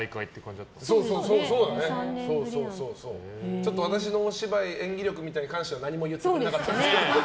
ちょっと、私のお芝居演技力については何も言ってくれなくて。